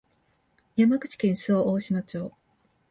山口県周防大島町